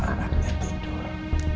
ya udah gak hati